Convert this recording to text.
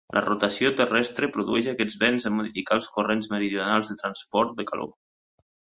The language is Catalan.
La rotació terrestre produeix aquests vents en modificar els corrents meridionals de transport de calor.